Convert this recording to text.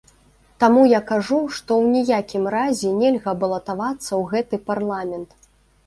Таму я кажу, што ў ніякім разе нельга балатавацца ў гэты парламент.